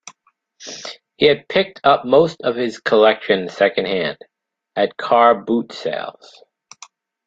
He had picked up most of his collection second-hand, at car boot sales